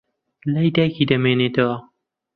لای دایکی دەمێنێتەوە.